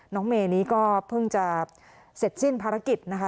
น้องเมย์นี้ก็เพิ่งจะเสร็จสิ้นภารกิจนะคะ